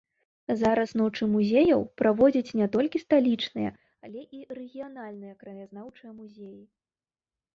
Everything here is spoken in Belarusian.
Зараз ночы музеяў праводзяць не толькі сталічныя, але і рэгіянальныя краязнаўчыя музеі.